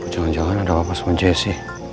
jangan jangan ada apa apa sama jessy